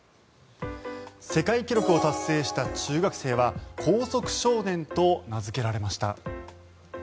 世界記録を達成した中学生は光速少年と名付けられました。